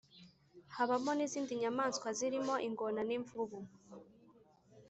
habamo n’izindi nyamaswa zirimo ingona, nimvubu,